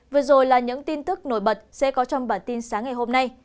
vừa rồi là những tin tức nổi bật sẽ có trong bản tin sáng ngày hôm nay